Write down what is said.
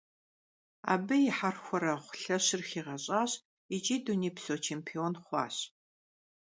Abı yi herxuereğu lheşır xiğeş'aş yiç'i dunêypso çêmpion xhuaş.